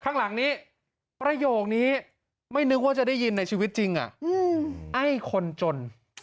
ข้างหลังนี้ประโยคนี้ไม่นึกว่าจะได้ยินในชีวิตจริงไอ้คนจน